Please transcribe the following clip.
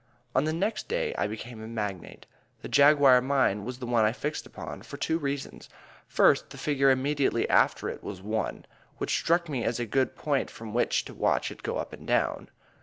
On the next day I became a magnate. The Jaguar Mine was the one I fixed upon for two reasons. First, the figure immediately after it was 1, which struck me as a good point from which to watch it go up and down.